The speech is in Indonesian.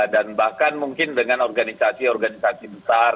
dan bahkan mungkin dengan organisasi organisasi besar